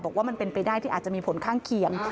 บอกว่ามันเป็นไปได้ที่อาจจะมีผลข้างเคียง